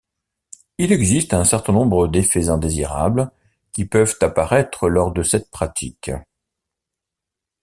Il existe un certain nombre d'effets indésirables qui peuvent apparaître lors de cette pratique.